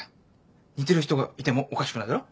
似てる人がいてもおかしくないだろ？